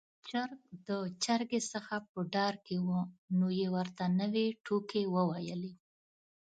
چرګ د چرګې څخه په ډار کې و، نو يې ورته نوې ټوکې وويلې.